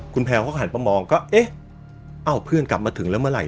คุณแพลวเขาหันมามองก็เอ๊ะเอ้าเพื่อนกลับมาถึงแล้วเมื่อไห